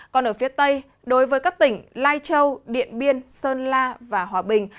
còn ở phía tây đối với các tỉnh lai châu điện biên sơn la và hòa bình